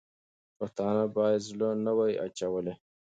پښتانه باید زړه نه وای اچولی.